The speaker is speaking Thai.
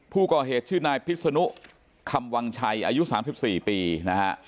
ผู้ก่อเหตุชื่อนายพิษนุคำวังชัยอายุ๓๔ปีนะฮะ